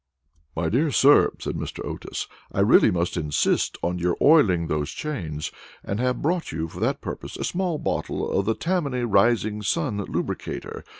"My dear sir," said Mr. Otis, "I really must insist on your oiling those chains, and have brought you for that purpose a small bottle of the Tammany Rising Sun Lubricator.